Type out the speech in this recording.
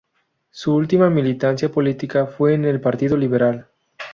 Su última militancia política fue en el Partido Liberal.